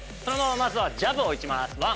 そのまままずはジャブを打ちます。